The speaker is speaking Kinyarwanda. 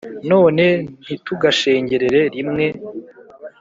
none ntitugashengerere rimwe